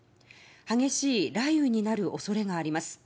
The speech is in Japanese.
激しい雷雨になる恐れがあります。